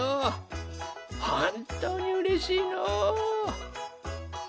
ほんとうにうれしいのう！